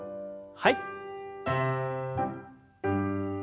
はい。